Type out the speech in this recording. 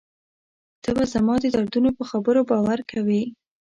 ته به زما د دردونو په خبرو باور کوې.